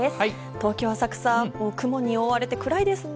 東京・浅草、雲に覆われて暗いですね。